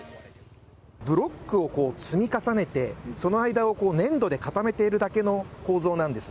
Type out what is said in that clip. ブロックを積み重ねて、その間を粘土で固めているだけの構造なんです。